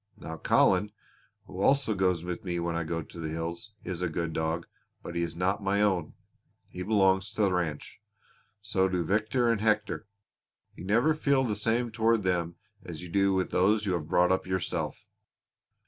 Now Colin, who also goes with me when I go to the hills, is a good dog, but he is not my own. He belongs to the ranch. So do Victor and Hector. You never feel the same toward them as you do with those you have brought up yourself.